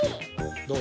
どう？